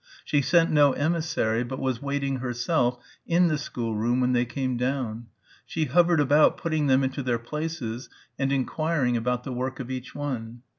She sent no emissary but was waiting herself in the schoolroom when they came down. She hovered about putting them into their places and enquiring about the work of each one.